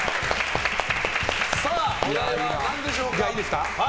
お題は何でしょうか？